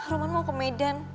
roman mau ke medan